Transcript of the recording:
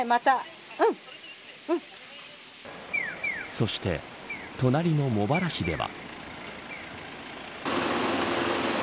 そして、隣の茂原市では。